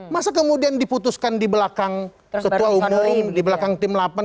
masa kemudian diputuskan di belakang ketua umum di belakang tim delapan